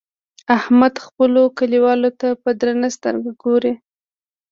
احمد خپلو کليوالو ته په درنه سترګه ګوري.